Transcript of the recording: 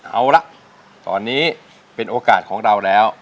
เอาละตอนนี้เป็นโอกาสของเราแล้ว